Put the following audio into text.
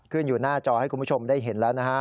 อยู่หน้าจอให้คุณผู้ชมได้เห็นแล้วนะฮะ